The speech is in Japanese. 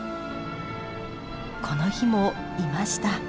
この日もいました。